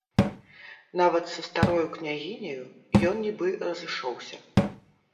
Нават са старою княгіняю ён нібы разышоўся.